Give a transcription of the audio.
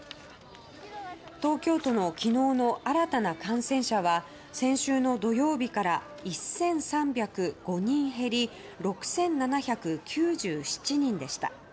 東京都の昨日の新たな感染者は先週の土曜日から１３０５人減り６７９７人でした。